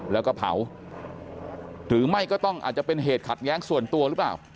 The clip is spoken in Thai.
แล้วก็เผาหรือไม่ก็ต้องอาจจะเป็นเหตุขัดแย้งส่วนตัวหรือเปล่า